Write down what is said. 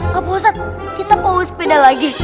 pak ustadz kita pawai sepeda lagi